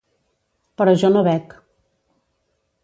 Però jo no bec.